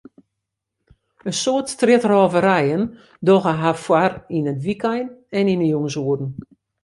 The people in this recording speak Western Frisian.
In soad strjitrôverijen dogge har foar yn it wykein en yn de jûnsoeren.